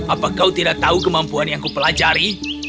apa kau tidak tahu kemampuan yang ku pelajari